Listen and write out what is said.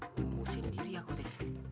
kamu sendiri aku tadi